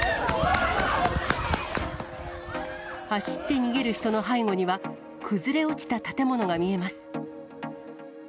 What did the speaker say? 走って逃げる人の背後には、崩れ落ちた建物が見えます。